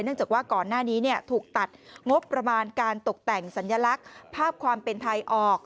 จากว่าก่อนหน้านี้ถูกตัดงบประมาณการตกแต่งสัญลักษณ์ภาพความเป็นไทยออก